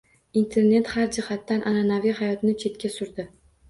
Internet har jihatdan anʼanaviy hayotni chetga surdi.